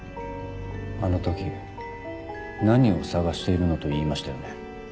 あの時「何を探しているの？」と言いましたよね。